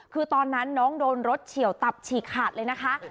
คือตอนนั้นน้องโดนรถเฉียวตับฉีกขาดเลยนะคะ